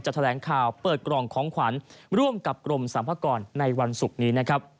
จะแถลงข่าวเปิดกรองของขวัญร่วมกับกรมสามพักกรณ์ในวันศุกร์นี้